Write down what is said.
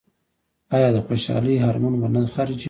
او د خوشالۍ هارمون به نۀ خارجوي -